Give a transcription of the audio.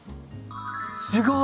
違う！